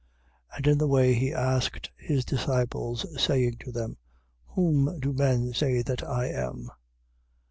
And in the way, he asked his disciples, saying to them: Whom do men say that I am?